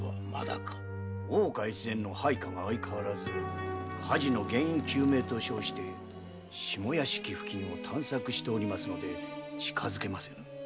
大岡越前の配下が相変わらず火事の原因究明と称して下屋敷付近を探索しておりますので近づけません。